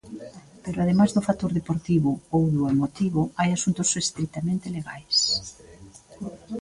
Pero ademais do factor deportivo ou do emotivo, hai asuntos estritamente legais.